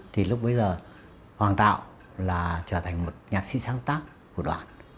thì lúc bấy giờ hoàng tạo trở thành một nhạc sĩ sáng tác của đoàn